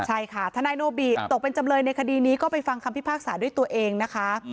ใช่ค่ะทนายโนบิตตกเป็นจำเลยในคดีนี้ก็ไปฟังคำพิพากษาด้วยตัวเองนะคะ